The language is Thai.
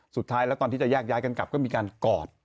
สุดท้ายแล้วตอนที่จะแยกย้ายกันกลับก็มีการกอด